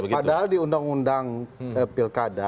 padahal di undang undang pilkada